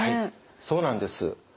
そうなんです。